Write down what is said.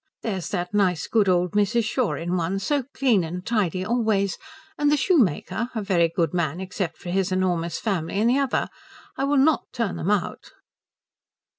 There's that nice good old Mrs. Shaw in one, so clean and tidy always, and the shoemaker, a very good man except for his enormous family, in the other. I will not turn them out."